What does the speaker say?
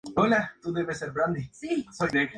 Fue un componente de la Selección de balonmano de Francia.